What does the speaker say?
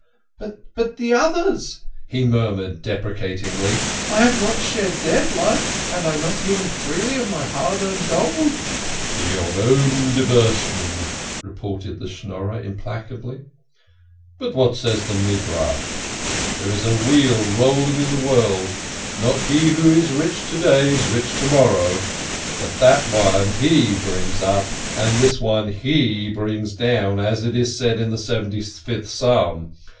"But the others "he murmured deprecatingly. "I have not shed their blood have I not given freely of my hard earned gold ?"" For your own diversion," retorted the Schnorrer im placably. " But what says the Midrash ? There is a wheel rolling in the world not he who is rich to day is rich to morrow, but this one He brings up, and this one He brings down, as is said in the seventy fifth Psalm.